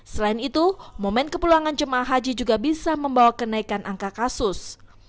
selain itu momen kepulangan jemaah haji juga bisa membawa kenaikan angka kasus